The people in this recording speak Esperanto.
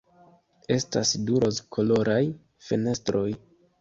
Estas du rozkoloraj fenestroj.